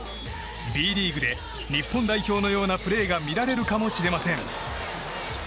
Ｂリーグで日本代表のようなプレーが見られるかもしれません。